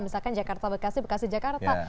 misalkan jakarta bekasi bekasi jakarta